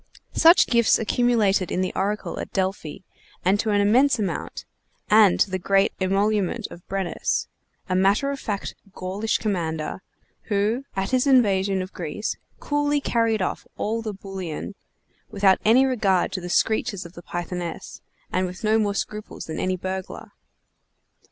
Such gifts accumulated in the oracle at Delphi and to an immense amount, and to the great emolument of Brennus, a matter of fact Gaulish commander, who, at his invasion of Greece, coolly carried off all the bullion, without any regard to the screeches of the Pythoness, and with no more scruples than any burglar.